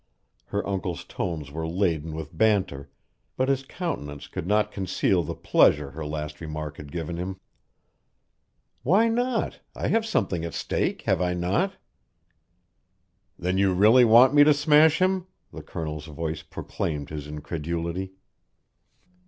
Her uncle's tones were laden with banter, but his countenance could not conceal the pleasure her last remark had given him. "Why not? I have something at stake, have I not?" "Then you really want me to smash him?" The Colonel's voice proclaimed his incredulity.